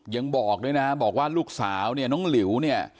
ยังบอกด้วยนะบอกว่าลูกสาวน้องหลิว